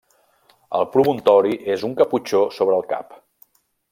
El promontori és un caputxó sobre el cap.